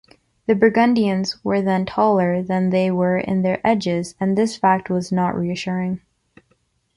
The Burgundians were then taller than they were in their edges and this fact was not reassuring.